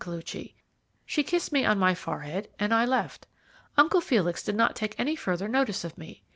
Koluchy. She kissed me on my forehead and I left. Uncle Felix did not take any further notice of me.